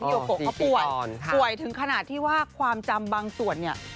โยโกะเขาป่วยป่วยถึงขนาดที่ว่าความจำบางส่วนเนี่ย